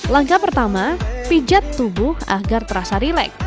langkah pertama pijat tubuh agar terasa rilek